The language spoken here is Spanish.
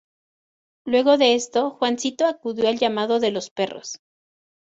Luego de esto Juancito acudió al llamado de los perros.